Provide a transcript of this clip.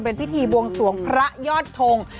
เป็นพิธีบวงสวงพระยอดทง